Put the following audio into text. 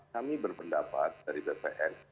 kami berpendapat dari bcn